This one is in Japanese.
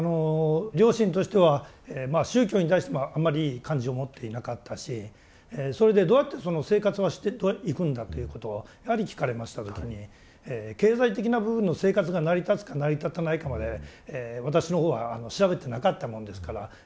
両親としてはまあ宗教に対してもあまりいい感じを持っていなかったしそれでどうやって生活はしていくんだ？ということをやはり聞かれました時に経済的な部分の生活が成り立つか成り立たないかまで私のほうは調べてなかったもんですからうまく答えられない。